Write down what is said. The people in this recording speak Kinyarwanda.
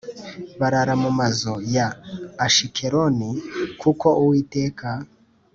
Barara mu mazu ya ashikeloni kuko uwiteka